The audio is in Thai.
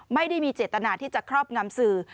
ไม่ได้มีเจตนาที่จะครอบงำสื่อ